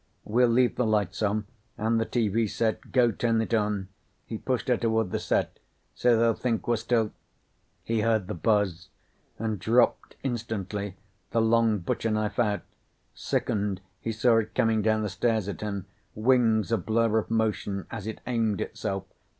"We'll leave the lights on. And the TV set. Go turn it on." He pushed her toward the set. "So they'll think we're still " He heard the buzz. And dropped instantly, the long butcher knife out. Sickened, he saw it coming down the stairs at him, wings a blur of motion as it aimed itself.